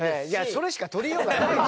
それしか取りようがないでしょ。